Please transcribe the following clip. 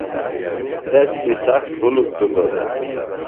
تس بی سخت ہُلُک دِتو دےۡ۔